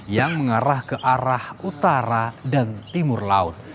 yang mengarah ke arah utara dan timur laut